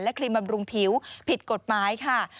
ครีมบำรุงผิวผิดกฎหมายค่ะ